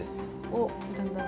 おっだんだん。